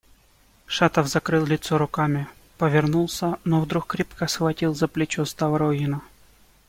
Шатов закрыл лицо руками, повернулся, но вдруг крепко схватил за плечо Ставрогина.